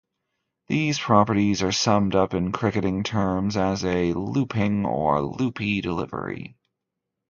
These properties are summed up in cricketing terms as a "looping" or "loopy" delivery.